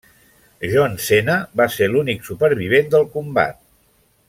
John Cena va ser l'únic supervivent del combat.